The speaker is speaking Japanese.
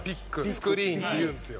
スクリーンっていうんですよ。